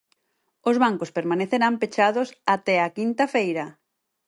Os bancos permanecerán pechados até a quinta feira.